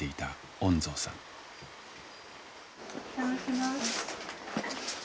お邪魔します。